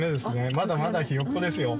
まだまだひよっこですよ。